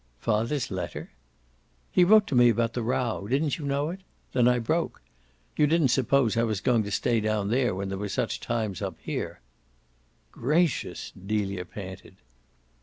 "Father's letter?" "He wrote me about the row didn't you know it? Then I broke. You didn't suppose I was going to stay down there when there were such times up here." "Gracious!" Delia panted.